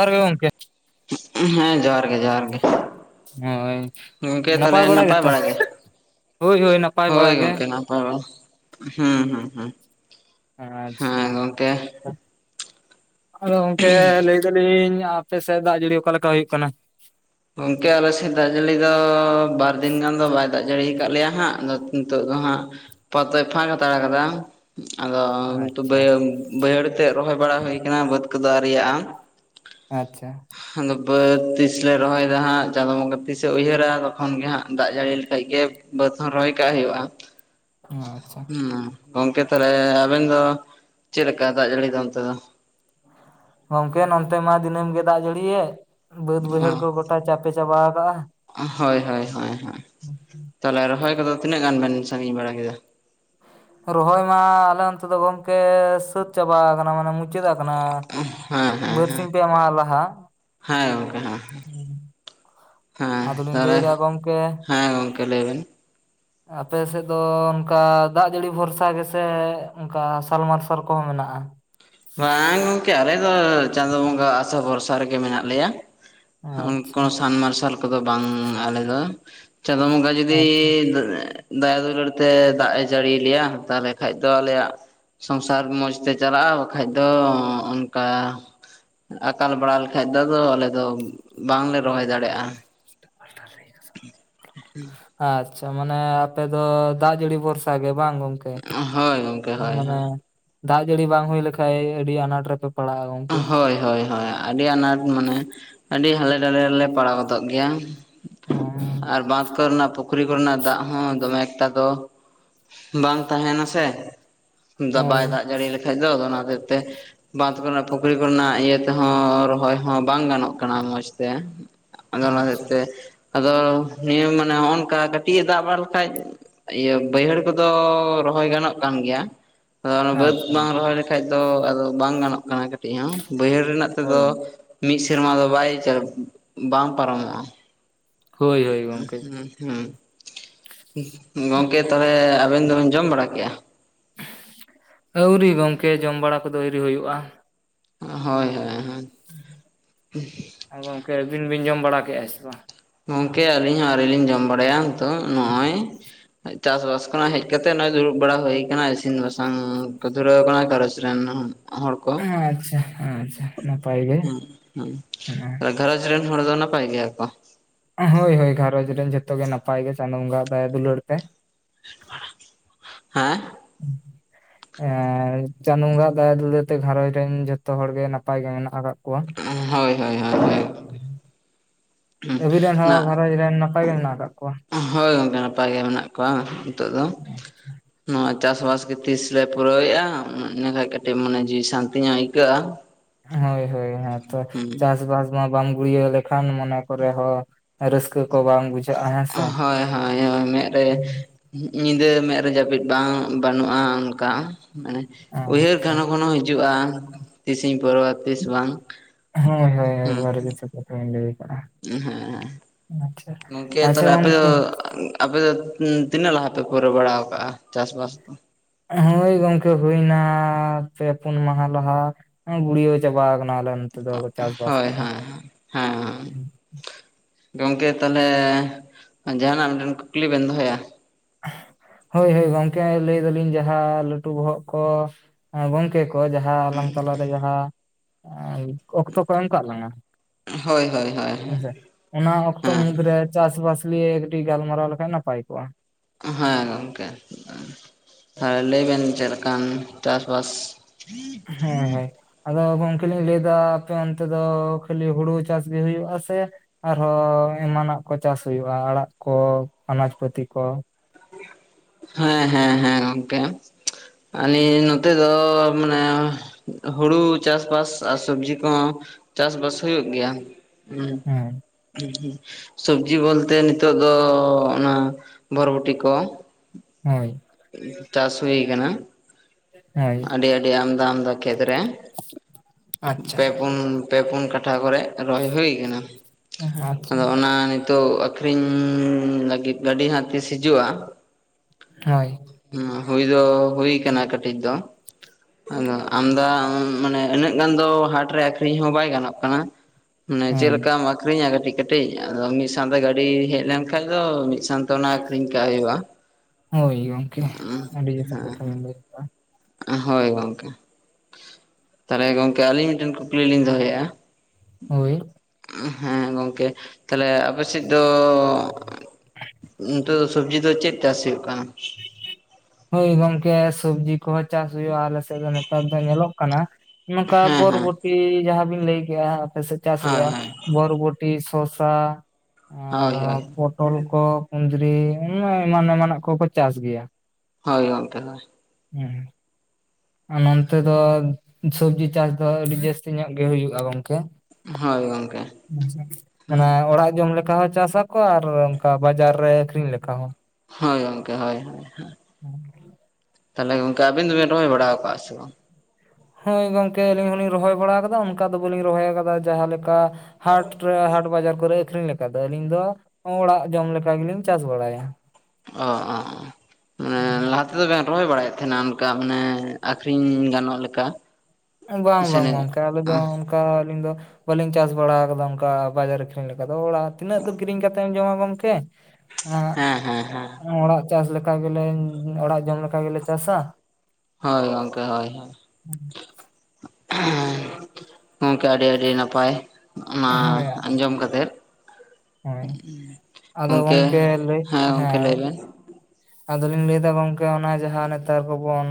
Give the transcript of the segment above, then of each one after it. ᱦᱟᱨ ᱜᱮ ᱜᱚᱝᱠᱮ᱾ ᱦᱮᱸ ᱡᱚᱦᱟᱨ ᱜᱮ ᱡᱚᱦᱟᱨ ᱜᱮ᱾ ᱦᱳᱭ ᱜᱚᱝᱠᱮ ᱛᱟᱞᱦᱮ ᱱᱟᱯᱟᱭ ᱵᱟᱲᱟ ᱜᱮ? ᱦᱳᱭ ᱦᱳᱭ ᱱᱟᱯᱟᱭ ᱵᱟᱲᱟ ᱦᱳᱭ ᱜᱮ ᱜᱚᱝᱠᱮ ᱱᱟᱯ ᱯᱟᱭ ᱵᱟᱲᱟ᱾ ᱦᱩᱸ ᱦᱩᱸ ᱦᱩᱸ᱾ ᱦᱮᱸ ᱟᱪᱪᱷᱟ᱾ ᱜᱚᱝᱠᱮ ᱟᱫᱚ ᱜᱚᱝᱠᱮ ᱞᱟᱹᱭ ᱫᱟᱞᱤᱧ ᱟᱯᱮ ᱥᱮᱫ ᱫᱟᱜ ᱡᱟᱹᱲᱤ ᱚᱠᱟᱞᱮᱠᱟ ᱦᱩᱭᱩᱜ ᱠᱟᱱᱟ? ᱜᱚᱝᱠᱮ ᱟᱞᱚ ᱥᱮᱫ ᱫᱟᱜ ᱡᱟᱲᱤ ᱫᱚ ᱵᱟᱨ ᱫᱤᱱ ᱜᱟᱱ ᱫᱚ ᱵᱟᱭ ᱫᱟᱜ ᱡᱟᱹᱲᱤ ᱠᱟᱜ ᱞᱮᱭᱟ ᱦᱟᱸᱜ, ᱟᱫᱚ ᱱᱤᱛᱚᱜ ᱫᱚ ᱦᱟᱸᱜ ᱯᱟᱛᱚᱭ ᱯᱷᱟᱸᱠ ᱦᱟᱛᱟᱲ ᱠᱟᱫᱟ᱾ ᱟᱫᱚ ᱱᱩᱛᱩ ᱟᱪᱪᱷᱟ ᱵᱟᱹᱭᱟᱢ ᱵᱟᱹᱭᱦᱟᱹᱲ ᱛᱮᱜ ᱨᱚᱦᱚᱭ ᱵᱟᱲᱟ ᱦᱳᱭ ᱠᱟᱱᱟ ᱵᱟᱹᱫᱽ ᱠᱚᱫᱚ ᱟᱣᱨᱤᱭᱟᱜᱼᱟ᱾ ᱟᱪᱪᱷᱟ᱾ ᱦᱟᱫᱚ ᱵᱟᱹᱫᱽ ᱛᱤᱥ ᱞᱮ ᱨᱚᱦᱚᱭᱫᱟ ᱦᱟᱸᱜ ᱪᱟᱸᱫᱚ ᱵᱚᱝᱜᱟ ᱛᱤᱥᱮ ᱩᱭᱦᱟᱹᱨᱟ ᱛᱚᱠᱷᱚᱱ ᱜᱮ ᱦᱟᱸᱜ ᱫᱟᱜ ᱡᱟᱹᱲᱤ ᱞᱮᱠᱷᱟᱡ ᱜᱮ ᱵᱟᱹᱫᱽ ᱦᱚᱸ ᱨᱚᱦᱚᱭ ᱠᱟᱜ ᱦᱳᱭᱳᱜᱼᱟ᱾ ᱦᱚᱸ ᱟᱪᱪᱷᱟ᱾ ᱦᱩᱸ ᱜᱚᱝᱠᱮ ᱛᱟᱦᱞᱮ ᱟᱵᱮᱱ ᱫᱚ ᱪᱮᱫ ᱞᱮᱠᱟ ᱫᱟᱜ ᱡᱟᱹᱲᱤ ᱫᱚ ᱚᱱᱛᱮ ᱫᱚ? ᱦᱚᱝᱠᱮ ᱱᱚᱱᱛᱮ ᱢᱟ ᱫᱤᱱᱟᱹᱢ ᱜᱮᱫᱟᱜ ᱡᱟᱹᱲᱤᱭᱮᱫ᱾ ᱵᱟᱹᱫᱽ ᱵᱟᱹᱭᱦᱟᱹᱲ ᱠᱚ ᱜᱚᱴᱟ ᱪᱟᱯᱮ ᱪᱟᱵᱟ ᱠᱟᱱᱟ᱾ ᱛᱟᱞᱦᱮ ᱨᱚᱦᱚᱭ ᱠᱚᱫᱚ ᱛᱤᱱᱟᱹᱜ ᱜᱟᱱ ᱵᱮᱱ ᱥᱟᱺᱜᱤᱧ ᱵᱟᱲᱟ ᱠᱮᱫᱟ ᱾ ᱨᱚᱦᱚᱭ ᱢᱟ ᱟᱞᱮ ᱚᱱᱛᱮ ᱫᱚ ᱜᱚᱢᱠᱮ ᱥᱟᱹᱛ ᱪᱟᱵᱟ ᱠᱟᱱᱟ ᱢᱟᱱᱮ ᱢᱩᱪ ᱪᱮᱫᱟ ᱠᱟᱱᱟ ᱦᱮᱸ ᱦᱮᱸ ᱦᱮᱸ ᱵᱟᱹᱨᱥᱤᱝ ᱯᱮ ᱢᱟᱦᱟ ᱞᱟᱦᱟ ᱾ ᱦᱮᱸ ᱜᱚᱢᱠᱮ ᱦᱮᱸ ᱦᱮᱸ ᱟᱫᱚᱞᱤᱧ ᱛᱟᱦᱚᱞᱮ ᱞᱟᱹᱭᱫᱟ ᱜᱚᱢᱠᱮ ᱾ ᱦᱮᱸ ᱞᱟᱹᱭ ᱜᱚᱝᱠᱮ ᱵᱤᱱ ᱟᱯᱮ ᱥᱮᱜ ᱫᱚ ᱚᱱᱠᱟ ᱫᱟᱜ ᱡᱟᱹᱲᱤ ᱵᱷᱚᱨᱥᱟ ᱜᱮᱥᱮ ᱚᱱᱠᱟ ᱥᱟᱞᱢᱟᱨᱥᱟᱞ ᱠᱚᱦᱚᱸ ᱢᱮᱱᱟᱜᱼᱟ ᱾ ᱵᱟᱝ ᱜᱚᱝᱠᱮ ᱟᱞᱮ ᱫᱚ ᱪᱟᱸᱫᱳ ᱵᱚᱸᱜᱟ ᱟᱥᱟ ᱵᱷᱚᱨᱥᱟ ᱨᱮᱜᱮ ᱢᱮᱱᱟᱜ ᱞᱮᱭᱟ ᱾ ᱟᱪᱪᱷᱟ ᱳᱝᱠᱳᱱᱳ ᱥᱟᱱ ᱢᱟᱨᱥᱟᱞ ᱠᱚᱫᱚ ᱵᱟᱝ ᱟᱞᱮ ᱫᱚ ᱪᱟᱸᱫᱳ ᱵᱚᱸᱜᱟ ᱡᱩᱫᱤ ᱟᱪᱪᱷᱟ ᱫᱟᱭᱟ ᱫᱩᱞᱟᱹᱲ ᱛᱮ ᱫᱟᱜ ᱮ ᱡᱟᱹᱲᱤ ᱞᱮᱭᱟ ᱛᱟᱦᱮᱞᱮ ᱠᱷᱟᱱ ᱫᱚ ᱟᱞᱮᱭᱟᱜ ᱥᱚᱝᱥᱟᱨ ᱢᱚᱡᱽ ᱛᱮ ᱪᱟᱞᱟᱜᱼᱟ ᱵᱟᱠᱷᱟᱡ ᱫᱚ ᱚᱱᱠᱟ ᱟᱠᱟᱞ ᱵᱟᱲᱟ ᱞᱮᱠᱷᱟᱡ ᱫ ᱟᱞᱮ ᱫᱚ ᱵᱟᱝᱞᱮ ᱨᱚᱦᱚᱭ ᱫᱟᱲᱮᱭᱟᱜᱼᱟ [unintelligible] ᱦᱩ ᱟᱪᱪᱷᱟ ᱢᱟᱱᱮ ᱟᱯᱮ ᱫᱚ ᱫᱟᱜ ᱡᱟᱹᱲᱤ ᱵᱷᱚᱨᱥᱟ ᱜᱮ ᱵᱟᱝ ᱜᱚᱝᱠᱮ? ᱦᱳᱭ ᱜᱚᱢᱠᱮ ᱦᱳᱭ ᱢᱟᱱᱮ ᱦᱳᱭ ᱫᱟᱜ ᱡᱟᱹᱲᱤ ᱵᱟᱝ ᱦᱩᱭ ᱞᱮᱠᱷᱟᱡ ᱟᱹᱰᱤ ᱟᱱᱟᱴ ᱨᱮᱯᱮ ᱯᱟᱲᱟᱜᱼᱟ ᱜᱚᱝᱠᱮ ᱦᱳᱭ ᱦᱳᱭ ᱦᱳᱭ ᱟᱹᱰᱤ ᱟᱱᱟᱴ ᱢᱟᱱᱮ ᱟᱹᱰᱤ ᱦᱟᱞ ᱟᱞᱮᱞᱮ ᱯᱟᱲᱟᱣ ᱜᱚᱫᱚᱜ ᱜᱮᱭᱟ ᱦ ᱟᱨ ᱵᱟᱸᱫᱽᱷ ᱠᱚᱨᱮᱱᱟᱜ ᱯᱩᱠᱷᱨᱤ ᱠᱚᱨᱮᱱᱟᱜ ᱫᱟᱜ ᱦᱚᱸ ᱫᱚᱢᱮ ᱮᱠᱴᱟ ᱫᱚ ᱵᱟᱝ ᱛᱟᱦᱮᱱᱟ ᱥᱮ ᱫ ᱵᱟᱭ ᱦᱳᱭ ᱫᱟᱜ ᱡᱟᱲᱤ ᱞᱮᱠᱷᱟᱱᱡ ᱫᱚ ᱟ ᱚᱱᱟ ᱦᱚᱛ ᱛᱮ ᱵᱟᱸᱫ ᱠᱚᱨᱮ ᱯᱩᱠᱷᱨᱤ ᱠᱚᱨᱮᱱᱟᱜ ᱤᱭᱟᱹ ᱛᱮᱦᱚᱸ ᱨᱚᱦᱚᱭ ᱦᱚᱸ ᱵᱟᱝ ᱜᱟᱱᱚᱜ ᱠᱟᱱᱟ ᱢᱚᱸᱡᱽᱛᱮ ᱟᱫᱚ ᱚᱱᱟ ᱦᱚᱛᱮᱜ ᱟᱪᱪᱷᱟ ᱛᱮ ᱟᱫᱚ ᱱᱤᱭᱟᱹ ᱢᱟᱱᱮ ᱱᱚᱜᱼᱚ ᱱᱚᱝᱠᱟ ᱠᱟᱹᱴᱤᱡ ᱮ ᱫᱟᱜ ᱵᱟᱲᱟ ᱞᱮᱠᱷᱟᱡ ᱤᱭᱟᱹ ᱵᱟᱹᱭᱦᱟᱹᱲ ᱠᱚᱫᱚ ᱨᱚᱦᱚᱭ ᱜᱟᱱᱚᱜ ᱠᱟᱱ ᱜᱮᱭᱟ ᱟᱫᱚ ᱚᱱᱟ ᱵᱟᱹᱫᱽ ᱟᱪᱪᱷᱟ ᱵᱟᱝ ᱨᱚᱦᱚᱭ ᱞᱮᱠᱷᱷᱟᱡ ᱫᱚ ᱟᱫᱚ ᱵᱟᱝ ᱜᱟᱱᱚᱜ ᱠᱟᱱᱟ ᱠᱟᱹᱴᱤᱡ ᱦᱚᱸ ᱵᱟᱹᱭᱦᱟᱹᱲ ᱨᱮᱱᱟᱜ ᱛᱮᱫᱚ ᱦᱳᱭ ᱢᱤᱫ ᱥᱮᱨᱢᱟ ᱫᱚ ᱵᱟᱭ ᱵᱟᱝ ᱯᱟᱨᱚᱢᱚᱜᱼᱟ ᱦᱳᱭ ᱦᱳᱭ ᱜᱚᱝᱠᱮ ᱦᱮᱸ ᱦᱩᱸ ᱜᱚᱝᱠᱮ ᱛᱟᱦᱚᱞᱮ, ᱟᱵᱮᱱ ᱫᱚᱵᱤᱱ ᱡᱚᱢ ᱵᱟᱲᱟ ᱠᱮᱜᱼᱟ? ᱟᱹᱣᱨᱤ ᱜᱚᱝᱠᱮ ᱡᱚᱢ ᱵᱟᱲᱟ ᱠᱚᱫᱚ ᱟᱹᱣᱨᱤ ᱦᱩᱭᱩᱜᱼᱟ ᱦᱳᱭ ᱦᱳᱭ ᱦᱳᱭ ᱟᱜᱚᱝᱠᱮ, ᱟᱹᱵᱤᱱ ᱵᱤᱱ ᱡᱚᱢ ᱵᱟᱲᱟ ᱠᱮᱫᱼᱟ ᱥᱮ ᱵᱟᱝ? ᱜᱚᱝᱠᱮ ᱟᱹᱞᱤᱧ ᱦᱚᱸ ᱟᱹᱣᱨᱤ ᱞᱤᱧ ᱡᱚᱢ ᱵᱟᱲᱟᱭᱟ ᱛᱚ ᱱᱚᱜᱼᱚᱭ ᱪᱟᱥ ᱵᱟᱥ ᱠᱷᱚᱱᱟᱜ ᱦᱮᱡ ᱠᱟᱛᱮᱜ ᱱᱚᱜᱚᱭ ᱫᱩᱲᱩᱵ ᱵᱟᱲᱟ ᱦᱩᱭᱩ ᱟᱠᱟᱱᱟ ᱤᱥᱤᱱ ᱵᱟᱥᱟᱝ ᱠᱚ ᱫᱷᱩᱨᱟᱹᱣ ᱟᱠᱟᱱᱟ ᱜᱷᱟᱨᱚᱡᱽ ᱨᱮᱱ ᱦᱚᱸ ᱟᱪᱪᱷᱟ ᱟᱪᱪᱷᱟ ᱱᱟᱯᱟᱭ ᱜᱮ ᱦᱮᱸ ᱜᱷᱟᱨᱡᱽ ᱨᱮᱱ ᱦᱚᱲ ᱫᱚ ᱱᱟᱯᱟᱭ ᱜᱮᱭᱟ ᱠᱚ? ᱦᱳᱭ ᱦᱳᱭ ᱜᱷᱟᱨᱚᱸᱡᱽ ᱨᱮᱱ ᱡᱚᱛᱚ ᱜᱮ ᱱᱟᱯᱟᱭ ᱜᱮ, ᱪᱟᱸᱫᱚ ᱵᱚᱸᱜᱟᱣᱟᱜ ᱫᱚᱟᱭ ᱫᱩᱞᱟᱹᱲ ᱛᱮ ᱦᱮᱸ? [inaudible] ᱮ ᱪᱟᱸᱫᱳ‌ ᱵᱚᱸᱜᱟᱣᱟᱜ ᱫᱟᱭᱟ ᱫᱩᱞᱟᱹᱲ ᱛᱮ ᱜᱷᱟᱨᱚᱧᱡᱽ ᱨᱮᱱ ᱡᱷᱚᱛᱚ ᱦᱚᱲ ᱜᱮ ᱱᱟᱯᱟᱭ ᱜᱮ ᱢᱮᱱᱟᱜ ᱟᱠᱟᱫ ᱠᱚᱣᱟ ᱦᱳᱭ ᱦᱳᱭ ᱦᱳᱭ ᱦᱳᱭ ᱟᱵᱤᱨ ᱨᱮᱱ ᱱᱟ ᱦᱚᱸ ᱜᱷᱟᱨᱚᱸᱧᱡᱽ ᱨᱮᱱ ᱱᱟᱯᱟᱭ ᱜᱮ ᱢᱮᱱᱟᱜ ᱟᱠᱟᱟᱜ ᱠᱚᱣᱟ? ᱦᱳᱭ ᱜᱚᱝᱠᱮ ᱱᱟᱯᱟᱭ ᱜᱮ ᱢᱮᱱᱟᱜ ᱠᱚᱣᱟ ᱱᱤᱛᱳᱜ ᱫᱚ [unintelligible] ᱱᱚᱣᱟ ᱪᱟᱥᱵᱟᱥ ᱜᱮ ᱛᱤᱥᱞᱮ ᱯᱩᱨᱟᱹᱣᱮᱫᱼᱟ ᱤᱱᱟᱹᱠᱷᱟᱱ ᱠᱟᱹᱴᱤᱡ ᱢᱚᱱᱮ ᱡᱤᱣᱤ ᱥᱟᱱᱛᱤ ᱧᱚᱜ ᱟᱹᱭᱠᱟᱹᱜᱼᱟ ᱦᱳᱭ ᱦᱳᱭ ᱦᱸ ᱛᱚ ᱦᱩᱸ ᱪᱟᱥᱵᱟᱥ ᱢᱟ ᱵᱟᱢ ᱜᱩᱲᱭᱟᱹᱣ ᱞᱮᱠᱷᱟᱱ ᱢᱚᱱᱮ ᱠᱚᱨᱮ ᱦᱚᱸ ᱨᱟᱹᱥᱠᱟᱹ ᱠᱚ ᱵᱟᱝ ᱵᱩᱡᱷᱟᱹᱜᱼᱟ ᱦᱮᱸ ᱥᱮ ᱦᱳᱭ ᱦᱳᱭ ᱦᱳᱭ ᱢᱮᱫ ᱨᱮ ᱢᱤᱫ ᱧᱤᱫᱟᱹ ᱢᱮᱫ ᱨᱮ ᱡᱟᱹᱯᱤᱫ ᱵᱟᱝ ᱵᱟᱹᱱᱩᱜᱼᱟ ᱚᱱᱠᱟ, ᱢᱟᱱᱮ ᱩᱭᱦᱟᱹᱨ ᱟᱪᱪᱷᱟ ᱜᱷᱟᱱ ᱜᱷᱚᱱ ᱦᱤᱡᱩᱜᱼᱟ ᱛᱤᱥᱤᱧ ᱯᱩᱨᱟ. ᱣᱟ ᱾ ᱛᱤᱥ ᱵᱟᱝ, ᱦᱳᱭ ᱦᱳᱭ ᱦᱩᱸ [inaudible] ᱦᱮᱸ ᱦᱮᱸ ᱟᱪᱪᱷᱟ ᱜᱚᱢᱠᱮ ᱟᱪᱪᱷᱟ ᱛᱟᱦᱚᱞᱮ ᱟᱯᱮ ᱫᱚ ᱜᱚᱝᱠᱮ ᱟᱯᱮ ᱫᱚ ᱛᱤᱱᱟᱹᱜ ᱞᱟᱦᱟ ᱯᱮ ᱯᱩᱨᱟᱹᱣ ᱵᱟᱲᱟ ᱠᱟᱟᱜᱼᱟ ᱪᱟᱥ ᱵᱟᱥ ᱫᱚ? ᱦᱳᱭ ᱜᱚᱝᱠᱮ ᱦᱩᱭᱱᱟ ᱯᱮ ᱯᱩᱱ ᱢᱟᱦᱟ ᱞᱟᱦᱟ ᱾ ᱜᱩᱲᱭᱟᱹᱣ ᱪᱟᱵᱟᱣ ᱠᱟᱱᱟᱞᱮ᱾ ᱱᱚᱛᱮ ᱫᱚ ᱪᱟᱥᱵᱟᱥ ᱦᱳᱭ ᱠᱚᱫᱚ ᱦᱳᱭ ᱦᱮᱸ ᱜᱚᱝᱠᱮ, ᱛᱟᱦᱚᱞᱮ ᱡᱟᱦᱟᱱᱟᱜ ᱢᱤᱫᱴᱮᱱ ᱠᱩᱠᱩᱞᱤ ᱵᱮᱱ ᱫᱚᱦᱚᱭᱟ? ᱦᱳᱭ ᱦᱳᱭ ᱜᱚᱝᱠᱮ ᱞᱟᱹᱭ ᱫᱟᱞᱤᱧ ᱡᱟᱦᱟᱸ ᱞᱟᱹᱴᱩ ᱵᱚᱦᱚᱜ ᱠᱚ ᱜᱚᱝᱠᱮ ᱠᱚ ᱡᱟᱦᱟᱸ ᱟᱞᱟᱝ ᱛᱟᱞᱟᱨᱮ ᱡᱟᱦᱟᱸ ᱚᱠᱛᱚ ᱠᱚ ᱮᱢ ᱠᱟᱜ ᱞᱟᱝᱟ ᱦᱳᱭ ᱦᱳᱭ ᱦᱳᱭ ᱦᱮᱸᱥᱮ ᱦᱮ ᱚᱱᱟ ᱚᱠᱛᱚ ᱢᱩᱫᱽᱨᱮ ᱪᱟᱥ ᱵᱟᱥ ᱞᱤᱭᱮ ᱠᱟᱹᱴᱤᱜ ᱜᱟᱞᱢᱟᱨᱟᱣ ᱞᱮᱠᱷᱟᱡ ᱱᱟᱯᱟᱭ ᱠᱚᱜᱼᱟ᱾ ᱦᱮᱸ ᱜᱚᱢᱠᱮ ᱛᱟᱦᱚᱞᱮ ᱞᱟᱹᱭ ᱵᱮᱱ ᱪᱮᱫ ᱞᱮᱠᱟᱱ ᱪᱟᱥᱵᱟᱥ [inaudible] ᱟᱫᱚ ᱜᱚᱝᱠᱮ ᱞᱤᱧ ᱞᱟᱹᱭ ᱫᱟ ᱟᱯᱮ ᱚᱱᱛᱮ ᱫᱚ ᱠᱷᱟᱹᱞᱤ ᱦᱩᱲᱩ ᱪᱟᱥ ᱜᱮ ᱦᱩᱭᱩᱜ-ᱟ ᱥᱮ ᱟᱨᱦᱚᱸ ᱮᱢᱟᱱᱟᱜ ᱠᱚ ᱪᱟᱥ ᱦᱩᱭᱩᱜᱼᱟ ᱟᱲᱟᱜ ᱠᱚ ᱟᱱᱟᱡᱯᱟᱹᱛᱤ ᱠᱚ? ᱦᱮᱸ ᱦᱮᱸ ᱦᱮᱸ ᱜᱚᱝᱠᱮ᱾ [inaudible] ᱱᱚᱛᱮ ᱫᱚ ᱢᱟᱱᱮ ᱦᱩᱲᱩ ᱪᱟᱥᱵᱟᱥ ᱟᱨ ᱥᱚᱵᱡᱤ ᱠᱚᱦᱚᱸ ᱪᱟᱥᱵᱟᱥ ᱦᱩᱭᱩᱜ ᱜᱮᱭᱟ᱾ ᱦᱮᱸ [inaudible] ᱥᱚᱵᱡᱤ ᱵᱚᱞᱛᱮ ᱱᱤᱛᱚᱜ ᱫᱚ ᱚᱱᱟ ᱵᱚᱨᱵᱚᱴᱤ ᱠᱚ, ᱦᱳᱭ᱾ ᱪᱟᱥ ᱦᱩᱭ ᱠᱟᱱᱟ, ᱦᱳᱭ ᱟᱰᱤ ᱟᱰᱤ ᱟᱢᱫᱟ ᱟᱢᱫᱟ ᱠᱷᱮᱛᱨᱮ ᱟᱪᱪᱷᱟ ᱯᱮ ᱯᱩᱱ ᱯᱮ ᱯᱩᱱ ᱠᱟᱴᱷᱟ ᱠᱚᱨᱮ ᱨᱚᱦᱚᱭ ᱦᱩᱭ ᱠᱟᱱᱟ ᱟᱪᱪᱷᱟ ᱟᱫᱚ ᱚᱱᱟ ᱱᱤᱛᱳᱜ ᱟᱠᱷᱨᱤᱧ ᱞᱟᱹᱜᱤᱫ ᱜᱟᱹᱰᱤ ᱦᱟᱜ ᱛᱤᱥ ᱦᱤᱡᱩᱜᱼᱟ, ᱦᱳᱭ ᱾ ᱦᱮᱸ ᱦᱳᱭ ᱫᱚ ᱦᱳᱭ ᱠᱟᱱᱟ ᱠᱟᱴᱤᱡ ᱫᱚ, ᱟᱫᱚ ᱟᱢᱫᱟ ᱢᱟᱱᱮ ᱩᱱᱟᱹᱜ ᱜᱟᱱ ᱫᱚ ᱦᱟᱴᱨᱮ ᱟᱠᱷᱨᱤᱧ ᱦᱚᱸ ᱵᱟᱭ ᱜᱟᱱᱚᱜ ᱠᱟᱱᱟ᱾ ᱢᱟᱱᱮ ᱪᱮᱜ ᱦᱳᱭ ᱞᱮᱠᱟᱢ ᱟᱠᱷᱨᱤᱧᱟ ᱠᱟᱹᱴᱤᱡ ᱠᱟᱹᱴᱤᱡ ᱟᱫᱚ ᱢᱤᱫ ᱥᱟᱶᱛᱮ ᱜᱟᱹᱰᱤ ᱦᱮᱡ ᱞᱮᱱᱠᱷᱟᱱᱡ ᱫᱚ ᱢᱤᱫ ᱥᱟᱶ ᱛᱚ ᱚᱱᱟ ᱟᱠᱷᱨᱤᱧ ᱠᱟᱜ ᱦᱩᱭᱩᱜᱼᱟ᱾ ᱦᱳᱭ ᱜᱚᱢᱠᱮ ᱟᱰᱤ ᱡᱚᱛᱷᱟᱛ ᱠᱟᱛᱷᱟ ᱵᱮᱱ ᱞᱟᱹᱭ ᱠᱟᱜᱼᱟ ᱾ ᱦᱳᱭ ᱜᱚᱝᱠᱮ ᱛᱟᱦᱚᱞᱮ ᱜᱚᱝᱠᱮ ᱟᱹᱞᱤᱧ ᱢᱤᱫᱴᱮᱱ ᱠᱩᱠᱞᱤ ᱞᱤᱧ ᱫᱚᱦᱚᱭᱮᱜᱼᱟ᱾ ᱦᱳᱭ ᱾ ᱦᱮᱸ ᱜᱚᱝᱠᱮ ᱛᱟᱦᱚᱞᱮ ᱟᱯᱮ ᱥᱮᱫ ᱫᱚ ᱱᱤᱛᱚᱜ ᱫᱚ ᱥᱚᱵᱡᱤ ᱫᱚ ᱪᱮᱫ ᱪᱟᱥ ᱦᱩᱭᱩᱜ ᱠᱟᱱᱟ? ᱦᱳᱭ ᱜᱚᱢᱠᱮ ᱥᱚᱵᱡᱤ ᱠᱚᱦᱚᱸ ᱪᱟᱥ ᱦᱩᱭᱩᱜᱼᱟ ᱟᱞᱮ ᱥᱮᱫ ᱫᱚ ᱱᱮᱛᱟᱨ ᱫᱚ ᱧᱮᱞᱚᱜ ᱠᱟᱱᱟ ᱱᱚᱝᱠᱟ ᱦᱮᱸ ᱦᱮᱸ ᱵᱚᱨᱵᱚᱴᱤ ᱡᱟᱦᱟ ᱵᱤᱱ ᱞᱟᱹᱭ ᱠᱮᱜᱼᱟ ᱟᱯᱮ ᱥᱮᱫ ᱪᱟᱥ ᱦᱩᱭᱩᱜᱼᱟ, ᱦᱳᱭ ᱵᱚᱨᱵᱚᱴᱤ ᱥᱚᱥᱟ ᱦᱳᱭ ᱟᱨᱚ ᱦᱳᱭ ᱯᱚᱴᱚᱞ ᱠᱚ ᱠᱩᱸᱫᱽᱨᱤ [inaudible] ᱮᱢᱟᱱ ᱮᱢᱟᱱᱟᱜ ᱠᱚᱠᱚ ᱪᱟᱥ ᱜᱮᱭᱟ᱾ ᱦᱳᱭ ᱜᱚᱢᱠᱮ ᱦᱳᱭ᱾ ᱦᱩᱸ᱾ ᱱᱚᱱᱛᱮ ᱫᱚ ᱥᱚᱵᱡᱤ ᱪᱟᱥ ᱫᱚ ᱟᱹᱰᱤ ᱡᱟᱹᱥᱛᱤ ᱧᱚᱜ ᱜᱮ ᱦᱩᱭᱩᱜᱼᱟ ᱜᱚᱝᱠᱮ᱾ ᱦᱳᱭ ᱜᱚᱝᱠᱮ ᱟᱪᱪᱷᱟ ᱚᱱᱮ ᱚᱲᱟᱜ ᱡᱚᱢ ᱞᱮᱠᱟ ᱦᱚᱸ ᱪᱟᱥᱟ ᱠᱚᱣᱟ ᱟᱨ ᱚᱱᱠᱟ ᱵᱟᱡᱟᱨ ᱨᱮ ᱟᱹᱠᱷᱨᱤᱧ ᱞᱮᱠᱟ ᱦᱚᱸ᱾ ᱦᱳᱭ ᱜᱚᱝᱠᱮ ᱦᱳᱭ ᱦᱳᱭ ᱛᱟᱦᱞᱮ ᱜᱚᱢᱠᱮ ᱟᱵᱤᱱ ᱫᱚᱵᱤᱱ ᱨᱚᱦᱚᱭ ᱵᱟᱲᱟᱣ ᱠᱟᱜᱼᱟ ᱥᱮ ᱵᱟᱝ? ᱦᱳᱭ ᱜᱚᱝᱠᱮ ᱟᱹᱞᱤᱧ ᱦᱚᱞᱤᱧ ᱨᱚᱦᱚᱭ ᱵᱟᱲᱟ ᱠᱟᱫᱟ ᱚᱱᱠᱟ ᱫᱚ ᱵᱟᱹᱞᱤᱧ ᱨᱚᱦᱚᱭ ᱠᱟᱫᱟ ᱡᱟᱦᱟᱸ ᱞᱮᱠᱟ ᱦᱟᱴ ᱨᱮ ᱦᱟᱴ ᱵᱟᱡᱟᱨ ᱠᱚᱨᱮ ᱟᱹᱠᱷᱨᱤᱧ ᱞᱮᱠᱟ ᱫᱚ ᱟᱹᱞᱤᱧ ᱫᱚ ᱚᱲᱟᱜ ᱡᱚᱢ ᱞᱮᱠᱟ ᱜᱮᱞᱤᱧ ᱪᱟᱥ ᱵᱟᱲᱟᱭᱟ᱾ ᱚ ᱚ ᱚ᱾ ᱢᱟᱱᱮ ᱞᱟᱦᱟ ᱛᱮᱫᱚ ᱵᱮᱱ ᱨᱚᱦᱚᱭ ᱵᱟᱲᱟᱭᱮᱜ ᱛᱟᱦᱮᱸᱱᱟ ᱚᱱᱠᱟ ᱢᱟᱱᱮ ᱟᱠᱷᱨᱤᱧ ᱜᱟᱱᱚᱜ ᱞᱮᱠᱟ᱾ ᱵᱟᱝ ᱥᱮ ᱵᱟᱝ ᱜᱚᱝᱠᱮ ᱟᱞᱮ ᱫᱚ ᱦᱮᱸ ᱚᱱᱠᱟ ᱟᱹᱞᱤᱧ ᱫᱚ ᱵᱟᱞᱤᱧ ᱪᱟᱥ ᱵᱟᱲᱟ ᱠᱟᱫᱟ ᱚᱱᱠᱟ ᱵᱟᱡᱟᱨ ᱞᱮᱠᱟ ᱫᱚ ᱚᱲᱟᱜ ᱛᱤᱱᱟᱹᱜ ᱫᱚ ᱠᱤᱨᱤᱧ ᱠᱟᱛᱮᱢ ᱡᱚᱢᱟ ᱜᱚᱢᱠᱮ ᱦᱮᱸ ᱦᱮᱸ ᱟᱸᱜ ᱚᱲᱟᱜ ᱪᱟᱥ ᱞᱮᱠᱟ ᱜᱮᱞᱮᱧ ᱚᱲᱟᱜ ᱡᱚᱢ ᱞᱮᱠᱟ ᱜᱮᱞᱮ ᱪᱟᱥᱟ᱾ ᱦᱳᱭ ᱜᱚᱢᱠᱮ ᱦᱳᱭ ᱦᱳᱭ᱾ ᱜᱚᱢᱠᱮ ᱟᱰᱤ ᱟᱰᱤ ᱱᱟᱯᱟᱭ᱾ ᱚᱱᱟ ᱦᱳᱭ ᱟᱸᱡᱚᱢ ᱠᱟᱛᱮᱫ᱾ ᱦᱳᱭ ᱜᱚᱝᱠᱮ ᱦᱮᱸ ᱜᱚᱝᱠᱮ ᱞᱟᱹᱭ ᱵᱮᱱ᱾ ᱟᱫᱚᱞᱤᱧ ᱞᱟᱹᱭ ᱫᱟ ᱜᱚᱝᱠᱮ ᱚᱱᱟ ᱡᱟᱸᱦᱟ ᱱᱮᱛᱟᱨ ᱠᱚᱵᱚᱱ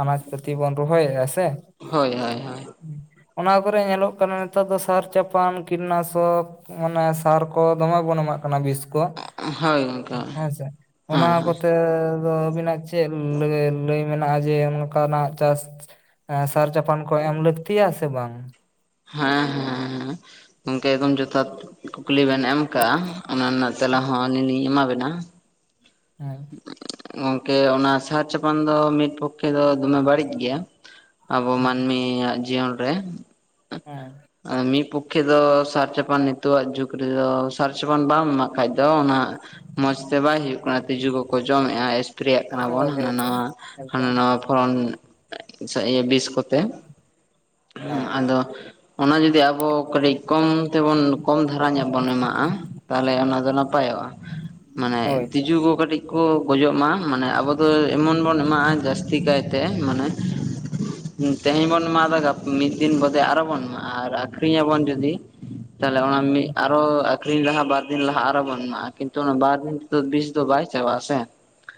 ᱟᱱᱟᱡ ᱯᱟᱹᱛᱤ ᱵᱚᱱ ᱨᱚᱦᱚᱭᱮᱜᱼᱟ ᱥᱮ? ᱦᱳᱭ ᱦᱳᱭ ᱦᱳᱭ ᱚᱱᱟ ᱠᱚᱨᱮ ᱧᱮᱞᱚᱜ ᱠᱟᱱᱟ ᱱᱮᱛᱟᱨ ᱫᱚ ᱥᱟᱨ ᱪᱟᱯᱟᱱ ᱠᱤᱴᱱᱟᱥᱚᱠ ᱚᱱᱟ ᱥᱟᱨ ᱠᱚ ᱫᱚᱢᱮ ᱵᱚᱱ ᱮᱢᱟᱜ ᱠᱟᱱᱟ ᱵᱤᱥ ᱠᱚ ᱦᱳᱭ ᱜᱚᱝᱠᱮ ᱦᱮᱸ ᱦᱮᱸᱥᱮ, ᱚᱱᱟ ᱦᱮᱸ ᱠᱚ ᱛᱮ ᱫᱚ ᱟᱹᱵᱤᱱᱟᱜ ᱪᱮᱫ ᱞᱮ ᱞᱟᱹᱭ ᱢᱮᱱᱟᱜᱼᱟ ᱡᱮ ᱚᱱᱠᱟᱱᱟᱜ ᱪᱟᱥ ᱮᱸ ᱥᱟᱨ ᱪᱟᱯᱟᱱ ᱠᱚ ᱮᱢ ᱞᱟᱹᱠᱛᱤᱭᱟ ᱥᱮ ᱵᱟᱝ? ᱦᱮᱸ ᱦᱮᱸ ᱜᱚᱝᱠᱮ ᱮᱠᱫᱚᱢ ᱡᱚᱛᱷᱟᱛ ᱠᱩᱠᱞᱤ ᱵᱮᱱ ᱮᱢ ᱠᱟᱜᱼᱟ ᱚᱱᱟ ᱨᱮᱱᱟᱜ ᱛᱮᱞᱟ ᱦᱚᱸ ᱟᱹᱞᱤ ᱞᱤᱧ ᱮᱢᱟ ᱵᱮᱱᱟ᱾ ᱦᱩᱸ᱾ ᱜᱚᱝᱠᱮ ᱚᱱᱟ ᱥᱟᱨ ᱪᱟᱯᱟᱱ ᱫᱚ ᱢᱤᱫ ᱯᱚᱠᱠᱷᱮ ᱫᱚ ᱫᱚᱢᱮ ᱵᱟᱹᱲᱤᱡ ᱜᱮᱭᱟ᱾ ᱟᱵᱚ ᱦᱮᱸ ᱢᱟᱹᱱᱢᱤᱭᱟᱜ ᱡᱤᱭᱚᱱ ᱨᱮ᱾ ᱦᱮᱸ᱾ ᱢᱤᱫ ᱯᱚᱠᱠᱷᱮ ᱫᱚ ᱥᱟᱨ ᱪᱟᱯᱟᱱ ᱱᱤᱛᱳᱜ ᱡᱩᱜᱽ ᱨᱮᱫᱚ ᱥᱟᱨ ᱪᱟᱯᱟᱱ ᱵᱟᱢ ᱮᱢᱟᱜ ᱠᱷᱟᱡ ᱫᱚ ᱚᱱᱟ ᱢᱚᱸᱡᱽᱛᱮ ᱵᱟᱭ ᱦᱩᱭᱩᱜ ᱠᱟᱱᱟ ᱛᱤᱡᱩ ᱠᱚᱠᱚ ᱡᱚᱢᱮᱫᱼᱟ ᱮᱥᱯᱨᱮᱭᱟᱜ ᱠᱟᱱᱟ ᱵᱚᱱ ᱦᱳᱭ ᱦᱳᱭ ᱦᱟᱸᱱᱟ ᱱᱟᱣᱟ ᱦᱟᱸᱱᱟ ᱮᱠᱫᱚᱢ ᱱᱟᱣᱟ ᱯᱷᱚᱲᱚᱱ ᱤᱭᱟᱹ ᱵᱤᱥ ᱠᱚᱛᱮ ᱦᱮᱸ ᱟᱫᱚ ᱚᱱᱟ ᱡᱩᱫᱤ ᱟᱵᱚ ᱠᱟᱹᱴᱤᱡ ᱠᱚᱢ ᱛᱮᱵᱚᱱ ᱠᱚᱢ ᱫᱷᱟᱨᱟ ᱧᱚᱜ ᱵᱚᱱ ᱮᱢᱟᱜᱼᱟ ᱛᱟᱦᱚᱞᱮ ᱚᱱᱟ ᱫᱚ ᱱᱟᱯᱟᱭᱚᱜᱼᱟ, ᱢᱟᱱᱮ ᱦᱳᱭ ᱛᱤᱡᱩ ᱠᱚ ᱠᱟᱹᱴᱤᱡ ᱠᱚ ᱜᱚᱡᱚᱜ ᱢᱟ᱾ ᱢᱟᱱᱮ ᱟᱵᱚ ᱫᱚ ᱮᱢᱚᱱ ᱵᱚᱱ ᱮᱢᱟᱜᱼᱟ ᱡᱟᱹᱥᱛᱤ ᱠᱟᱭᱛᱮ ᱢᱟᱱᱮ ᱛᱮᱦᱮᱧ ᱵᱚᱱ ᱮᱢᱟ ᱫᱟ ᱜᱟ ᱢᱤᱫ ᱫᱤᱱ ᱵᱫᱮ ᱟᱨᱚ ᱵᱚᱱ ᱮᱢᱟ ᱟᱨ ᱟᱠᱷᱨᱤᱧᱟᱵᱚᱱ ᱡᱩᱫᱤ, ᱛᱟᱦᱚᱞᱮ ᱚᱱᱟ ᱟᱨᱚ ᱟᱠᱷᱨᱤᱧ ᱞᱟᱦᱟ ᱵᱟᱨᱫᱤᱱ ᱞᱟᱦᱟ ᱟᱨᱚ ᱵᱚᱱ ᱮᱢᱟᱜᱼᱟ ᱠᱤᱱᱛᱩ ᱚᱱᱟ ᱵᱟᱨᱫᱤᱱ ᱛᱮᱫᱚ ᱵᱤᱥ ᱵᱟᱭ ᱪᱟᱵᱟᱥᱮ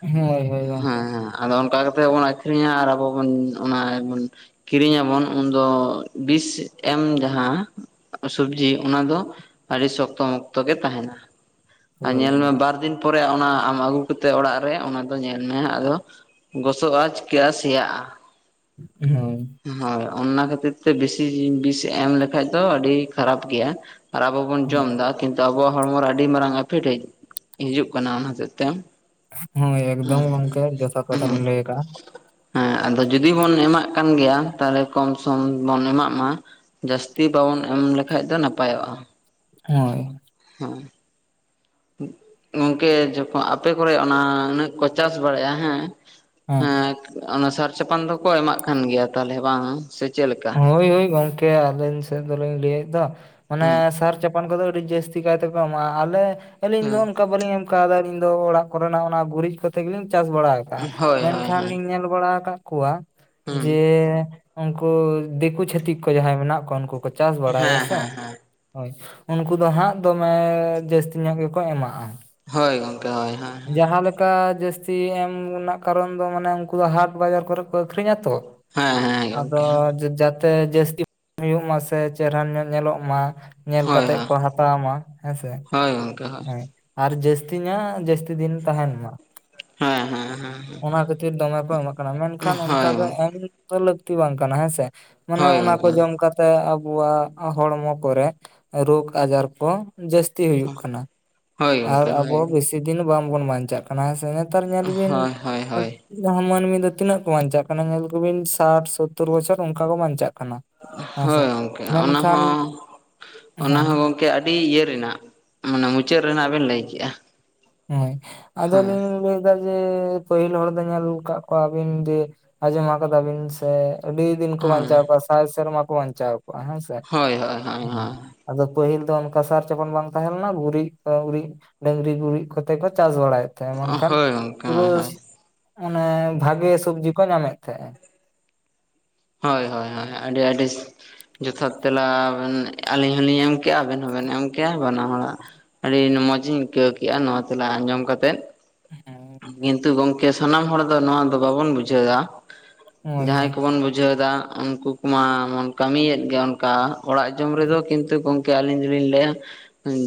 ᱦᱳᱭ ᱦᱳᱭ ᱜᱚᱝᱠᱮ ᱦᱮᱸ ᱾ ᱟᱫᱚ ᱚᱱᱠᱟ ᱠᱟᱛᱮᱜ ᱵᱚᱱ ᱟᱠᱷᱨᱤᱧᱟ ᱟᱨ ᱟᱵᱚ ᱵᱚᱱ ᱚᱱᱟ ᱵᱚᱱ ᱠᱤᱨᱤᱧᱟᱵᱚᱱ ᱩᱱᱫᱚ ᱵᱤᱥ ᱮᱢ ᱡᱟᱦᱟᱸ ᱥᱚᱵᱡᱤ ᱚᱱᱟ ᱫᱚ ᱟᱹᱰᱤ ᱥᱚᱠᱛᱚ ᱢᱚᱠᱛᱚ ᱜᱮ ᱛᱟᱦᱮᱸᱱᱟ ᱟᱨ ᱦᱳᱭ ᱧᱮᱞ ᱦᱳᱭ ᱢᱮ ᱵᱟᱨ ᱫᱤᱱ ᱛᱮ ᱚᱱᱟ ᱟᱢ ᱟᱹᱜᱩ ᱠᱟᱛᱮᱫ ᱚᱲᱟᱜ ᱨᱮ ᱚᱱᱟ ᱫᱚ ᱧᱮᱞ ᱢᱮ ᱟᱫᱚ ᱜᱚᱥᱚᱜᱼᱟ ᱪᱤᱠᱟᱹᱜᱼᱟ ᱥᱮᱭᱟᱜᱼᱟ᱾ ᱦᱳᱭ᱾ ᱦᱳᱭ ᱚᱱᱟ ᱠᱷᱟᱹᱛᱤᱨ ᱛᱮ ᱵᱮᱥᱤ ᱵᱤᱥ ᱮᱢ ᱞᱮᱠᱷᱟᱡ ᱫᱚ ᱟᱹᱰᱤ ᱠᱷᱟᱨᱟᱯ ᱜᱮᱭᱟ᱾ ᱟᱨ ᱟᱵᱚ ᱵᱚᱱ ᱦᱮᱸ ᱡᱚᱢ ᱫᱟ ᱠᱤᱱᱛᱩ ᱟᱵᱚᱣᱟᱜ ᱦᱚᱲᱢᱚ ᱨᱮ ᱟᱹᱰᱤ ᱢᱟᱨᱟᱝ ᱮᱯᱷᱮᱠᱴ ᱦᱤᱡᱩᱜ ᱠᱟᱱᱟ ᱚᱱᱟ ᱦᱚᱛᱮᱜ ᱛᱮ᱾ ᱦᱳᱭ ᱮᱠᱫᱚᱢ ᱜᱚᱢᱠᱮ ᱡᱚᱛᱷᱟᱛ ᱠᱟᱛᱷᱟ ᱵᱤᱱ ᱞᱟᱹᱭ ᱟᱠᱟᱫᱼᱟ᱾ ᱦᱮᱸ ᱟᱫᱚ ᱡᱩᱚᱫᱤ ᱵᱚᱱ ᱮᱢᱟᱜ ᱠᱟᱱ ᱜᱮᱭᱟ ᱛᱟᱦᱚᱞᱮ ᱠᱚᱢ ᱥᱚᱢ ᱵᱚᱱ ᱮᱢᱟᱜ ᱢᱟ᱾ ᱡᱟᱹᱥᱛᱤ ᱵᱟᱵᱚᱱ ᱮᱢ ᱞᱮᱠᱷᱟᱡ ᱫᱚ ᱱᱟᱯᱟᱭᱚᱜᱼᱟ᱾ ᱦᱳᱭ, ᱦᱮᱸ ᱜᱚᱝᱠᱮ ᱡᱚᱠᱷᱚᱱ ᱟᱯᱮ ᱠᱚᱨᱮ ᱚᱱᱟ ᱩᱱᱟᱹᱜ ᱠᱚ ᱪᱟᱥ ᱵᱟᱲᱟᱭᱼᱟ ᱦᱮᱸ ᱦᱮᱸ ᱚᱱᱟ ᱥᱟᱨ ᱪᱟᱯᱟᱱ ᱫᱚᱠᱚ ᱮᱢᱟᱜ ᱠᱟᱱ ᱜᱮᱭᱟ ᱛᱟᱦᱚᱞᱮ ᱵᱟᱝ ᱥᱮ ᱪᱮᱫᱮᱠᱟ? ᱦᱳᱭ ᱦᱳᱭ ᱜᱚᱝᱠᱮ ᱟᱹᱞᱤᱧ ᱥᱮᱫ ᱫᱚᱞᱤᱧ ᱞᱟᱹᱭᱮᱫ ᱫᱚ ᱦᱩᱸ ᱢᱟᱱᱮ ᱥᱟᱨ ᱪᱟ ᱪᱟᱯᱟᱱ ᱠᱚᱫᱚ ᱟᱹᱰᱤ ᱡᱟᱹᱥᱛᱤ ᱠᱟᱭ ᱛᱮᱠᱚ ᱮᱟᱜᱼᱟ ᱟᱞᱮ ᱟᱹᱞᱤᱧ ᱫᱚ ᱦᱩᱸ ᱚᱱᱠᱟ ᱵᱞᱤᱧ ᱮᱢ ᱚᱱᱠᱟ ᱟᱞᱤᱧ ᱫᱚ ᱚᱲᱟᱜ ᱠᱚᱨᱮᱱᱟᱜ ᱚᱱᱟ ᱜᱩᱨᱤᱡ ᱠᱚᱛᱮ ᱜᱮᱞᱤᱧ ᱪᱟᱥ ᱵᱟᱲᱟ ᱟᱠᱟᱫᱟ᱾ ᱦᱳᱭ ᱦᱳᱭ ᱢᱮᱱᱠᱷᱟᱱ ᱦᱳᱭ ᱞᱤᱧ ᱧᱮᱞ ᱵᱟᱲᱟ ᱟᱠᱟᱫ ᱠᱚᱣᱟ ᱦᱩᱸ ᱡᱮ ᱩᱱᱠᱩ ᱫᱤᱠᱩ ᱪᱷᱟᱹᱛᱤᱠ ᱠᱚ ᱡᱟᱦᱟᱸᱭ ᱢᱮᱱᱟᱜ ᱠᱚᱣᱟ ᱩᱱᱠᱩ ᱠᱚ ᱪᱟᱥ ᱵᱟᱲᱟᱭᱟ ᱦᱮᱸ ᱥᱮ ᱦᱮᱸ ᱦᱮᱸ ᱦᱳᱭ ᱩᱱᱠᱩ ᱫᱚ ᱦᱟᱸᱜ ᱫᱚᱢᱮ ᱡᱟᱹᱥᱛᱤ ᱧᱚᱜ ᱜᱮᱠᱚ ᱮᱢᱟᱜᱼᱟ᱾ ᱦᱳᱭ, ᱜᱚᱝᱠᱮ ᱦᱳᱭ ᱦᱮᱸ ᱡᱟᱦᱟᱸ ᱞᱮᱠᱟ ᱡᱟᱹᱥᱛᱤ ᱮᱢ ᱨᱮᱱᱟᱜ ᱠᱟᱨᱚᱱ ᱫᱚ ᱢᱟᱱᱮ ᱩᱱᱠᱩ ᱫᱚ ᱦᱟᱴ ᱵᱟᱡᱟᱨ ᱠᱚᱨᱮ ᱠᱚ ᱟᱠᱷᱨᱤᱧᱟ ᱛᱚ᱾ ᱦᱮᱸ ᱦᱮᱸ [inaudible] ᱟᱫᱚ ᱜᱚᱝᱠᱮ ᱡᱟ ᱛᱮ ᱡᱟᱹᱥᱛᱤ ᱦᱩᱭᱩᱜ ᱢᱟ ᱥᱮ ᱪᱮᱦᱨᱟ ᱧᱚᱜ ᱧᱮᱞᱚᱜ ᱢᱟ, ᱧᱮᱞ ᱦᱳᱭ ᱠᱟᱛᱮᱜ ᱦᱳᱭ ᱠᱚ ᱦᱟᱛᱟᱣ ᱢᱟ ᱦᱮᱸᱥᱮ᱾ ᱦᱳᱭ ᱜᱚᱝᱠᱮ ᱦᱳᱭ᱾ ᱦᱮᱸ ᱟᱨ ᱡᱟᱹᱥᱛᱤ ᱧᱟᱜ ᱡᱟᱹᱥᱛᱤ ᱫᱤᱱ ᱛᱟᱦᱮᱱ ᱢᱟ᱾ ᱦᱮᱸ ᱦᱮᱸ ᱦᱮᱸ ᱚᱱᱟ ᱠᱷᱟᱹᱛᱤᱨ ᱫᱚᱢᱮ ᱠᱚ ᱮᱢᱟᱜ ᱠᱟᱱᱟ ᱢᱮᱱᱠᱷᱟᱱ ᱚᱱᱠᱟ ᱦᱳᱭ ᱫᱚ ᱮᱢ ᱫᱚ ᱞᱟᱹᱠᱛᱤ ᱵᱟᱝ ᱠᱟᱱᱟ ᱦᱮᱸᱥᱮ, ᱢᱟᱱᱮ ᱦᱳᱭ ᱚᱱᱟ ᱠᱚ ᱜᱚᱝᱠᱮ ᱡᱚᱢ ᱠᱟᱛᱮ ᱛᱮ ᱟᱵᱚᱣᱟᱜ ᱦᱚᱲᱢᱚ ᱠᱚᱨᱮ ᱨᱳᱜᱽ ᱟᱡᱟᱨ ᱠᱚ ᱡᱟᱹᱥᱛᱤ ᱦᱩᱭᱩᱜ ᱠᱟᱱᱟ᱾ ᱦᱳᱭ ᱟᱨ ᱜᱚᱝᱠᱮ ᱟᱵᱚ ᱦᱳᱭ ᱵᱤᱥᱤ ᱫᱤᱱ ᱵᱟᱝᱵᱚᱱ ᱵᱟᱧᱪᱟᱜ ᱠᱟᱱᱟ ᱦᱮᱸ ᱥᱮ ᱱᱮᱛᱟᱨ ᱧᱮᱞ ᱵᱤᱱ ᱦᱳᱭ ᱦᱳᱭ ᱦᱳᱭ ᱢᱟᱹᱱᱢᱤ ᱫᱚ ᱛᱤᱱᱟᱹᱜ ᱠᱚ ᱵᱟᱧᱪᱟᱜ ᱠᱟᱱᱟ ᱧᱮᱞ ᱠᱚᱵᱤᱱ ᱥᱟᱴ ᱥᱳᱛᱛᱳᱨ ᱵᱚᱪᱷᱚᱨ ᱚᱱᱠᱟ ᱠᱚ ᱵᱟᱧᱪᱟᱜ ᱠᱟᱱᱟ᱾ ᱦᱮᱸᱥᱮ ᱦᱳᱭ ᱜᱚᱝᱠᱮ ᱚᱱᱟ ᱢᱮᱱᱠᱷᱟᱱ ᱦᱚᱸ, ᱚᱱᱟ ᱦᱳᱭ ᱦᱚᱸ ᱜᱚᱝᱠᱮ ᱜᱠᱮ ᱟᱹᱰᱤ ᱤᱭᱟᱹ ᱨᱮᱱᱟᱜ ᱢᱟᱱᱮ ᱢᱩᱪᱟᱹᱫ ᱨᱮᱱᱟᱜ ᱵᱮᱱ ᱞᱟᱹᱭ ᱠᱮᱜᱼᱟ᱾ ᱦᱮᱸ ᱟᱫᱟ ᱦᱮᱸ ᱞᱤᱧ ᱞᱟᱹᱭ ᱡᱮ ᱯᱟᱹᱦᱤᱞ ᱦᱚᱲ ᱫᱚ ᱧᱮᱞ ᱟᱠᱟᱫ ᱠᱚᱣᱟ ᱵᱤᱱ ᱡᱮ ᱟᱸᱡᱚᱢ ᱠᱟᱫᱟ ᱵᱤᱱ ᱥᱮ ᱟᱹᱰᱤ ᱫᱤᱱ ᱠᱚ ᱵᱟᱧᱪᱟᱣ ᱦᱮᱸ ᱠᱚᱣᱟ ᱥᱟᱭ ᱥᱮᱨᱢᱟ ᱠᱚ ᱵᱟᱧᱪᱟᱣ ᱠᱚᱜ-ᱟ ᱦᱮᱸ ᱥᱮ? ᱦᱳᱭ ᱦᱳᱭ ᱦᱳᱭ ᱦᱳᱭ ᱟᱫᱚ ᱯᱟᱹᱦᱤᱞ ᱫᱚ ᱚᱱᱠᱟ ᱥᱟᱨ ᱪᱟᱯᱟᱱ ᱵᱟᱝ ᱛᱟᱦᱮᱸᱞᱮᱱᱟ, ᱜᱩᱨᱤᱡ ᱜᱩᱨᱤᱡ ᱰᱟᱹᱝᱨᱤ ᱜᱩᱨᱤᱡ ᱠᱟᱛᱮ ᱠᱚ ᱪᱟᱥ ᱵᱟᱲᱟᱭᱮᱫ ᱛᱟᱦᱮᱸᱱ ᱢᱮᱱᱠᱷᱟᱱ ᱦᱳᱭ ᱜᱚᱝᱠᱮ ᱯᱩᱨᱟᱹ ᱦᱳᱭ ᱦᱳᱭ ᱚᱱᱮ ᱵᱷᱟᱜᱮ ᱥᱩᱵᱡᱤ ᱠᱚ ᱧᱟᱢᱮᱫ ᱛᱟᱦᱮᱸᱱ᱾ ᱦᱳᱭ ᱦᱳᱭ ᱦᱳᱭ ᱟᱹᱰᱤ ᱟᱹᱰᱤ ᱡᱚᱛᱷᱟᱛ ᱛᱮᱞᱟ ᱵᱮᱱ ᱟᱹᱞᱤᱧ ᱦᱚᱞᱤᱧ ᱮᱢ ᱠᱮᱜᱼᱟ ᱟᱵᱮᱱ ᱦᱚᱸᱵᱮᱱ ᱮᱢ ᱠᱮᱜᱼᱟ ᱵᱟᱱᱟ ᱦᱚᱲᱟᱜ ᱟᱹᱰᱤ ᱢᱚᱡᱽ ᱤᱧ ᱟᱹᱭᱠᱟᱹᱣ ᱠᱮᱜᱼᱟ ᱱᱚᱣᱟ ᱛᱮᱞᱟ ᱟᱸᱡᱚᱢ ᱠᱟᱛᱮᱫ᱾ ᱠᱤᱱᱛᱩ ᱜᱚᱝᱠᱮ ᱥᱟᱱᱟᱢ ᱦᱚᱲ ᱫᱚ ᱱᱚᱣᱟ ᱫᱚ ᱵᱟᱵᱚᱱ ᱵᱩᱡᱷᱟᱹᱣᱫᱟ᱾ ᱦᱳᱭ ᱡᱟᱦᱟᱸᱭ ᱦᱳᱭ ᱠᱚᱵᱚᱱ ᱵᱩᱡᱷᱟᱹᱣ ᱮᱫᱟ ᱩᱱᱠᱩ ᱠᱚᱢᱟᱵᱚᱱ ᱠᱟᱹᱢᱤᱭᱮᱫ ᱜᱮᱭᱟ ᱚᱱᱠᱟ᱾ ᱚᱲᱟᱜ ᱡᱚᱢ ᱨᱮᱫᱚ ᱠᱤᱱᱛᱩ ᱜᱚᱝᱠᱮ ᱠᱮ ᱟᱹᱞᱤᱧ ᱫᱚᱞᱤᱧ ᱞᱟᱹᱭᱟ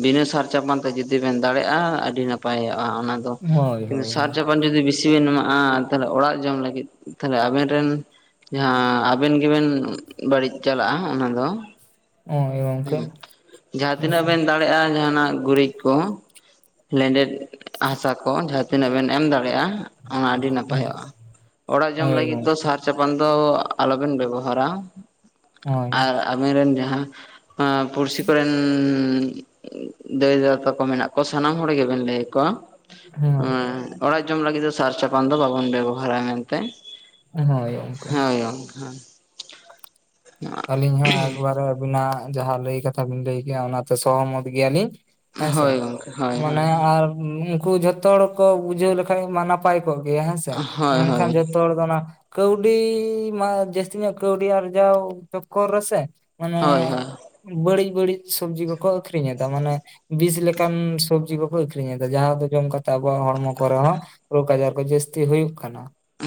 ᱵᱤᱱᱟᱹ ᱥᱟᱨ ᱪᱟᱯᱟᱱ ᱛᱮ ᱡᱩᱫᱤ ᱵᱮᱱ ᱫᱟᱲᱮᱭᱟᱜᱼᱟ, ᱟᱹᱰᱤ ᱱᱟᱯᱟᱭᱚᱜᱼᱟ ᱚᱱᱟ ᱦᱳᱭ ᱦᱳᱭ, ᱛᱚᱠᱷᱱ ᱡᱩᱫᱤ ᱵᱮᱥᱤ ᱵᱮᱱ ᱮᱢᱟᱜᱼᱟ ᱛᱟᱦᱚᱞᱮ ᱚᱲᱟᱜ ᱡᱚᱢ ᱞᱟᱹᱜᱤᱫ ᱛᱟᱦᱞᱮ ᱟᱵᱮᱱ ᱨᱮᱱ ᱡᱟᱦᱟᱸ ᱟᱵᱮᱱ ᱜᱮᱵᱮᱱ ᱵᱟᱹᱲᱤᱡ ᱪᱟᱞᱟᱜᱼᱟ ᱚᱱᱟ ᱫᱚ᱾ [unintelligible] ᱡᱟᱦᱟᱸ ᱛᱤᱱᱟᱹᱜ ᱵᱮᱱ ᱫᱟᱲᱮᱭᱟᱜᱼᱟ ᱡᱟᱦᱟᱸᱱᱟᱜ ᱜᱩᱨᱤᱡ ᱠᱚ ᱞᱮᱱᱰᱮᱫ ᱦᱟᱥᱟ ᱠᱚ ᱡᱟᱦᱟᱸ ᱛᱤᱱᱟᱹᱜ ᱵᱮᱱ ᱮᱢ ᱫᱟᱲᱮᱭᱟᱜᱼᱟ᱾ ᱚᱱᱟ ᱟᱹᱰᱤ ᱱᱟᱯᱟᱭᱚᱜᱼᱟ ᱚᱲᱟᱜ ᱡᱚᱢ ᱦᱳᱭ ᱞᱟᱹᱜᱤᱫ ᱜᱚᱝ ᱫᱚ ᱥᱟᱨ ᱪᱟᱯᱟᱱ ᱫᱚ ᱟᱞᱚᱵᱮᱱ ᱵᱮᱵᱚᱦᱟᱨᱟ ᱦᱳᱭ ᱟᱨ ᱟᱵᱮᱱ ᱨᱮᱱ ᱡᱟᱦᱟᱸ ᱦᱮ ᱯᱩᱲᱥᱤ ᱠᱚᱨᱮᱱ ᱫᱟᱹᱭ ᱫᱟᱫᱟ ᱛᱟᱠᱚ ᱢᱮᱱᱟᱜ ᱠᱚ ᱥᱟᱱᱟᱢ ᱦᱚᱲ ᱜᱮᱵᱮᱱ ᱞᱟᱹᱭ ᱟᱠᱚᱣᱟ᱾ ᱦᱳᱭ ᱦᱮᱸ ᱚᱲᱟᱜ ᱡᱚᱢ ᱞᱟᱹᱜᱤᱫ ᱫᱚ ᱥᱟᱨ ᱪᱟᱯᱟᱱ ᱫᱚ ᱵᱟᱵᱚᱱ ᱵᱮᱵᱚᱦᱟᱨᱟ ᱢᱮᱱᱛᱮ᱾ ᱦᱳᱭ ᱜᱚᱝᱠᱮ ᱦᱳᱭ ᱜᱢᱚᱠᱮ᱾ ᱟᱹᱞᱤᱧ ᱦᱚᱸ ᱮᱠᱵᱟᱨᱮ ᱟᱹᱵᱤᱱᱟᱜ ᱡᱟᱦᱟᱸ ᱞᱟᱹᱭ ᱠᱟᱛᱷᱟ ᱵᱤᱱ ᱞᱟᱹᱭ ᱠᱮᱜᱼᱟ ᱚᱱᱟᱛᱮ ᱥᱚᱦᱚᱢᱚᱛ ᱜᱮᱭᱟᱞᱤᱧ᱾ ᱦᱮᱸᱥᱮ ᱦᱳᱭ ᱜᱚᱝᱠᱮ ᱦᱳᱭ ᱢᱟᱱᱮ ᱦᱳᱭ ᱟᱨ ᱩᱱᱠᱩ ᱡᱷᱚᱛᱚ ᱦᱚᱲ ᱠᱚ ᱵᱩᱡᱷᱟᱹᱣ ᱞᱮᱠᱷᱟᱱ ᱢᱟ ᱱᱟᱯ ᱯᱟᱭ ᱠᱚᱜ ᱜᱮᱭᱟ ᱦᱮᱸ ᱥᱮ ᱦᱳᱭ ᱢᱮᱱᱠᱷᱟᱱ ᱦᱳᱭ ᱡᱚᱛᱚ ᱦᱟᱲ ᱫᱚ ᱚᱱᱟ ᱠᱟᱹᱣᱰᱤ ᱢᱟ ᱡᱟᱹᱥᱛᱤ ᱧᱚᱜ ᱠᱟᱹᱣᱰᱤ ᱟᱨᱡᱟᱣ ᱪᱚᱠᱠᱚᱨ ᱨᱮᱥᱮ ᱢᱟᱱᱮ ᱦᱳᱭ ᱦᱳᱭ ᱵᱟᱹᱲᱤᱡ ᱵᱟᱹᱲᱤᱡ ᱥᱚᱵᱽᱡᱤ ᱠᱚᱠᱚ ᱟᱹᱠᱷᱨᱤᱧ ᱮᱫᱟ ᱢᱟᱱᱮ᱾ ᱵᱤᱥ ᱞᱮᱠᱟᱱ ᱥᱚᱵᱡᱤ ᱠᱚᱠᱚ ᱟᱹᱠᱷᱨᱤᱧ ᱮᱫᱟ ᱡᱟᱦᱟᱸ ᱫᱚ ᱡᱚᱢ ᱠᱟᱛᱮ ᱟᱵᱚᱣᱟᱜ ᱦᱚᱲᱢᱚ ᱠᱚᱨᱮ ᱦᱚᱸ ᱨᱳᱜᱽ ᱟᱡᱟᱨ ᱠᱚ ᱡᱟᱹᱥᱛᱤ ᱦᱩᱭᱩᱜ ᱠᱟᱱᱟ᱾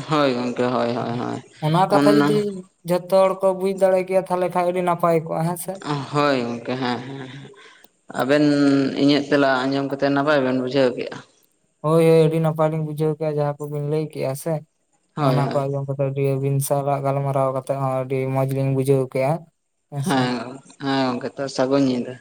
ᱦᱳᱭ ᱜᱚᱢᱠᱮ ᱦᱳᱭ ᱦᱳᱭ ᱦᱳᱭ ᱠᱟᱛᱷᱟ ᱚᱱᱟ ᱡᱩᱫᱤ ᱡᱷᱚᱛᱚ ᱦᱚᱲ ᱠᱚ ᱵᱩᱡ ᱫᱟᱲᱮ ᱠᱮᱭᱟ ᱛᱟᱦᱚᱞᱮ ᱠᱷᱟᱱ ᱟᱹᱰᱤ ᱱᱟᱯᱟᱭ ᱠᱚᱜᱼᱟ ᱦᱮᱸ ᱥᱮ᱾ ᱦᱳᱭ ᱜᱚᱝᱠᱮ ᱦᱮᱸ ᱦᱮᱸ᱾ ᱟᱵᱮᱱ ᱤᱧᱟᱹᱜ ᱛᱮᱞᱟ ᱟᱸᱡᱚᱢ ᱠᱟᱛᱮᱫ ᱱᱟᱯᱟᱭ ᱵᱮᱱ ᱵᱩᱡᱷᱟᱹᱣ ᱠᱮᱜᱼᱟ᱾ ᱦᱳᱭ ᱦᱳᱭ ᱟᱹᱰᱤ ᱱᱟᱯᱟᱭ ᱞᱤᱧ ᱵᱩᱡᱷᱟᱹᱣ ᱠᱮᱜᱼᱟ ᱡᱟᱦᱟᱸ ᱠᱚᱵᱤᱱ ᱞᱟᱹᱭ ᱠᱜᱼᱟ ᱥᱮ, ᱦᱳᱭ ᱚᱱᱟ ᱠᱚ ᱦᱳᱭ ᱟᱸᱡᱚᱢ ᱠᱟᱛ ᱟᱹᱰᱤ ᱵᱤᱱ ᱥᱟᱞᱟᱜ ᱜᱟᱞᱢᱟᱨᱟᱣ ᱠᱟᱛᱮᱫ ᱦᱚᱸ ᱟᱹᱰᱤ ᱢᱚᱸᱡᱽ ᱜᱤᱧ ᱵᱩᱡᱷᱟᱹᱣ ᱠᱮᱜᱼᱟ᱾ ᱦᱮᱸᱥᱮ ᱦᱮᱸ ᱦᱮᱸ ᱜᱚᱝᱠᱮ ᱛᱚ ᱥᱟᱹᱜᱩᱱ ᱧᱤᱫᱟᱹ᱾